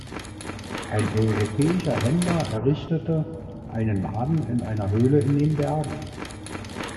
Ein europäischer Händler errichtete einen Laden in einer Höhle in den Bergen.